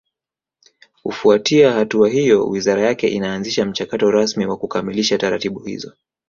kufuatia hatua hiyo wizara yake inaanzisha mchakato rasmi wa kukamilisha taratibu hizo